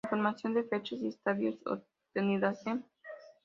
Información de fechas y estadios obtenidas de